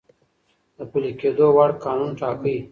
د پلی کیدو وړ قانون ټاکی ،